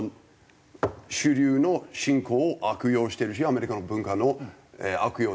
主流の信仰を悪用してるしアメリカの文化の悪用